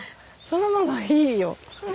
そのままいいよ。